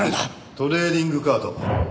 トレーディングカード。